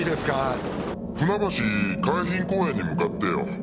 船橋海浜公園に向かってよ。